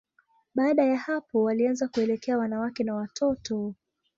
Baada ya hapo, walianza kuelekea wanawake na watoto.